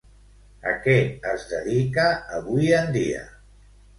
A què es dedica avui en dia?